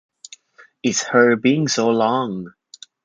It's her being so long!